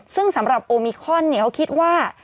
ซึ่งสำหรับโอมิคอนเขาคิดว่า